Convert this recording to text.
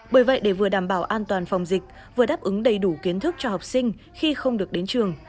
bởi vậy để vừa đảm bảo an toàn phòng dịch vừa đáp ứng đầy đủ kiến thức cho học sinh khi không được đến trường